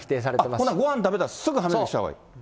ほなごはん食べたらすぐ歯磨きしたほうがいい。